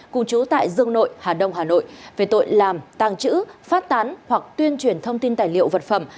cùng chú tại dương nội hà đông hà nội về tội làm tàng trữ phát tán hoặc tuyên truyền thông tin tài liệu vật phẩm